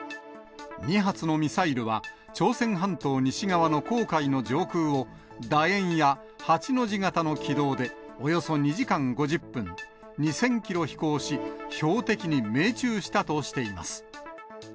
２発のミサイルは、朝鮮半島西側の黄海の上空を、だ円や８の字型の軌道でおよそ２時間５０分、２０００キロ飛行し、標的に命中したとしています。